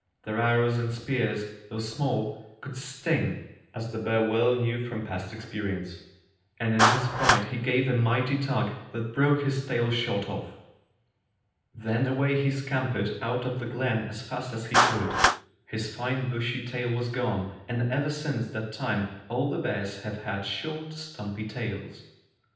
Their arrows and spears, though small, could sting, as the bear well knew from past experience, and in his fright he gave a mighty tug that broke his tail short off. Then away he scam pered out of the glen as fast as he could go. His fine bushy tail was gone, and ever since that time all the bears have had short, stumpy tails.